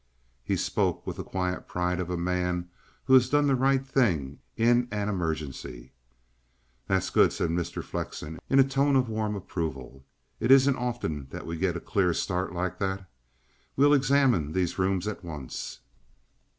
He spoke with the quiet pride of a man who has done the right thing in an emergency. "That's good," said Mr. Flexen, in a tone of warm approval. "It isn't often that we get a clear start like that. We'll examine these rooms at once."